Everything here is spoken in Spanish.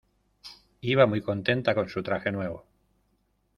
Iba muy contenta con su traje nuevo.